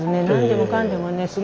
何でもかんでもね